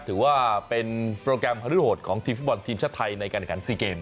ถือว่าเป็นโปรแกรมฮารุโหดของทีมฟุตบอลทีมชาติไทยในการแข่ง๔เกม